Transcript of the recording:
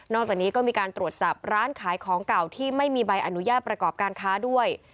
จากนี้ก็มีการตรวจจับร้านขายของเก่าที่ไม่มีใบอนุญาตประกอบการค้าด้วย